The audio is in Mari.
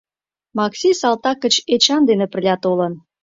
Макси салтак гыч Эчан дене пырля толын.